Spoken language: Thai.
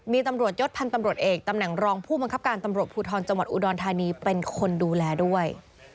มีตำรวจยศพันธ์ตำรวจเอกตำแหน่งรองผู้บังคับการตำรวจภูทรจังหวัดอุดรธานีเป็นคนดูแลด้วย